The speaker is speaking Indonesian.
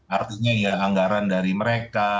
artinya ya anggaran dari mereka